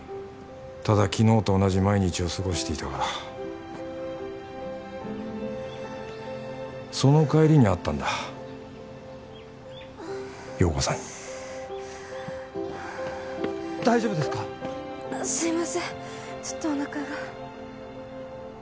ただ昨日と同じ毎日を過ごしていたからその帰りに会ったんだ陽子さんに大丈夫ですか！？すいませんちょっとおなかが